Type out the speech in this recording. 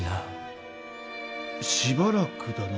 しばらくだな。